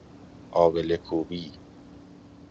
آبله کوبی